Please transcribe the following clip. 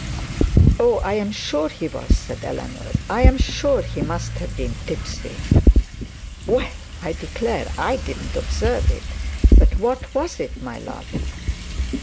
'Oh, I am sure he was,' said Eleanor. 'I am sure he must have been tipsy.' 'Well, I declare I didn't observe it. But what was it, my love?'